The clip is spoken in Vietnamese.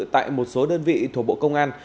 tại một số đơn vị thuộc bộ công an